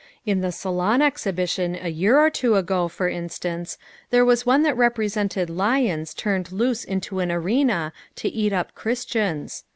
In the Salon exhibition a year or two ago, for instance, there was one that represented lions turned loose into an arena to eat up Christians.